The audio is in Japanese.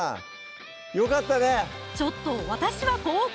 ちょっと私はここ！